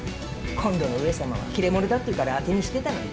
今度の上様は切れ者だっていうから当てにしてたのに。